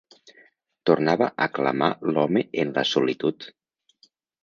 Tornava a clamar l'home en la solitud